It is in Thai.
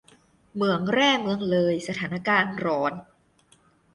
เหมืองแร่เมืองเลย สถานการณ์ร้อน !